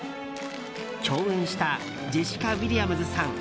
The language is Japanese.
共演したジェシカ・ウィリアムズさん